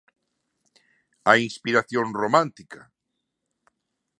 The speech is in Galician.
A inspiración romántica?